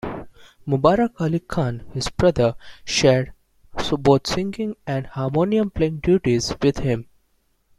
Mubarak Ali Khan, his brother, shared both singing and harmonium-playing duties with him.